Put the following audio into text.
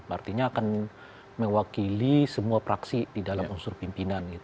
artinya akan mewakili semua praksi di dalam unsur pimpinan